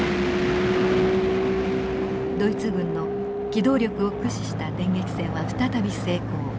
ドイツ軍の機動力を駆使した電撃戦は再び成功。